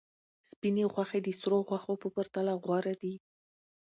سپینې غوښې د سرو غوښو په پرتله غوره دي.